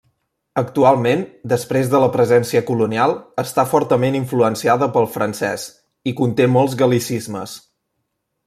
Actualment, després de la presència colonial, està fortament influenciada pel francés i conté molts gal·licismes.